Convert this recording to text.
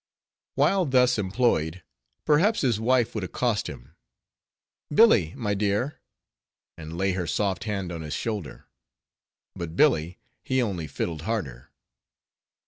While thus employed, perhaps his wife would accost him— "Billy, my dear;" and lay her soft hand on his shoulder. But Billy, he only fiddled harder.